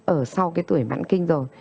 ở sau cái tuổi mặn kinh rồi